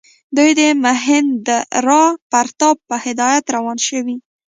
دوی د مهیندراپراتاپ په هدایت روان شوي.